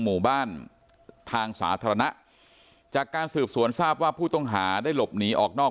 หมู่บ้านทางสาธารณะจากการสืบสวนทราบว่าผู้ต้องหาได้หลบหนีออกนอก